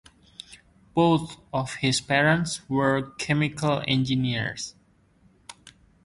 Both of his parents were chemical engineers.